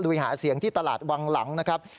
หาเสียงที่ตลาดวังหลังนะครับ